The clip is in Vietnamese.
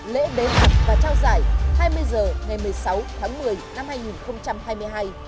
lễ bế mạc và trao giải hai mươi h ngày một mươi sáu tháng một mươi năm hai nghìn hai mươi hai